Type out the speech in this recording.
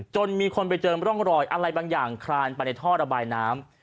มีคนไปเจอร่องรอยอะไรบางอย่างคลานไปในท่อระบายน้ำ